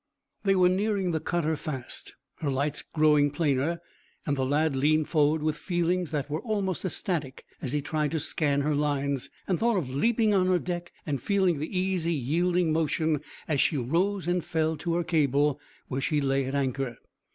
They were nearing the cutter fast, her lights growing plainer, and the lad leaned forward with feelings that were almost ecstatic as he tried to scan her lines, and thought of leaping on her deck, and feeling the easy, yielding motion as she rose and fell to her cable where she lay at anchor.